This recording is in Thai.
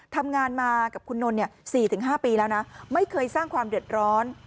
ทำงานมากับคุณนนท์๔๕ปีแล้วนะไม่เคยสร้างความเดือดร้อน